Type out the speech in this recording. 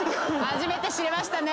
初めて知れましたね。